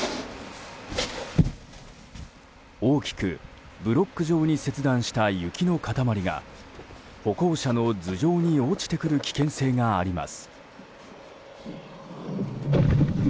大きくブロック状に切断した雪の塊が歩行者の頭上に落ちてくる危険性があります。